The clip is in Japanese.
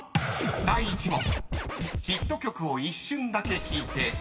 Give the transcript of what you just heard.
［第１問］